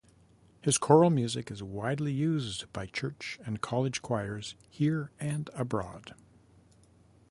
His choral music is widely used by church and college choirs here and abroad.